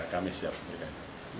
kami siap pemeriksaan